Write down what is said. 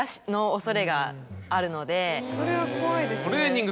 それは怖いですね。